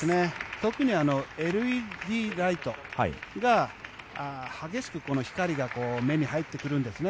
特にＬＥＤライトが激しく光が目に入ってくるんですね。